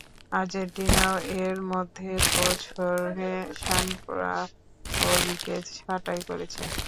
আর্জেন্টিনাও এর মধ্যে কোচ হোর্হে সাম্পাওলিকে ছাঁটাই করেছে।